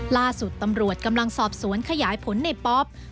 ล่าสุดตำรวจกำลังสอบสวนขยายผลในประวัติการ